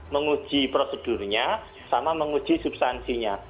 menguji prosedurnya sama menguji substansinya